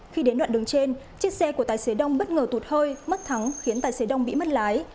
khi đến đoạn đường trên chiếc xe của tài xế đông bất ngờ tụt hơi mất thắng khiến tài xế đông bị mất lái